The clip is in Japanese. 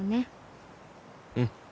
うん。